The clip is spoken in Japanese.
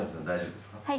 大丈夫ですか？